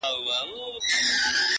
تا راته نه ويل د کار راته خبري کوه ـ